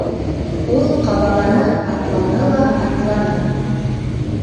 Ул ҡабаланып атланы ла атланы.